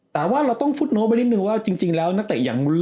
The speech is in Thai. แต่ว่าเราต้องไปนิดนึงว่าจริงจริงแล้วนักเตะอย่าง